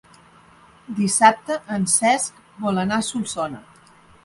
Dissabte en Cesc vol anar a Solsona.